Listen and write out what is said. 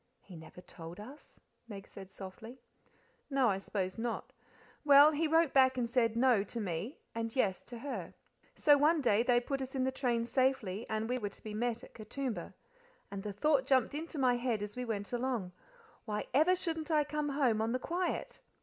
"He never told us," Meg said softly. "No, I s'pose not. Well, he wrote back and said 'no' to me and 'yes' to her. So one day they put us in the train safely, and we were to be met at Katoomba. And the thought jumped into my head as we went along: Why ever shouldn't I come home on the quiet?